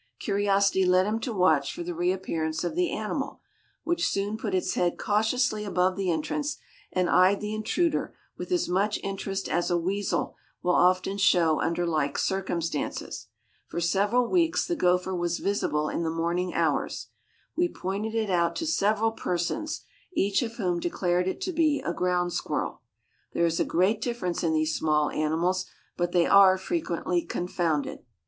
Curiosity led him to watch for the reappearance of the animal, which soon put its head cautiously above the entrance and eyed the intruder with as much interest as a weasel will often show under like circumstances. For several weeks the gopher was visible in the morning hours. We pointed it out to several persons, each of whom declared it to be a ground squirrel. There is a great difference in these small animals, but they are frequently confounded.